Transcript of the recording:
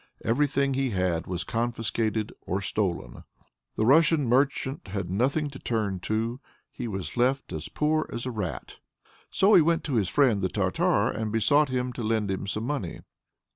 Everything he had was confiscated or stolen. The Russian merchant had nothing to turn to he was left as poor as a rat. So he went to his friend the Tartar, and besought him to lend him some money.